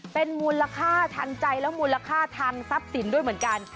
เป็นมูลค่าทางใจและมูลค่าทางทรัพย์สินด้วยเหมือนกัน